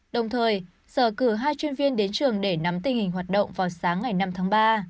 đồng thời sở cử hai chuyên viên đến trường để nắm tình hình hoạt động vào sáng ngày năm tháng ba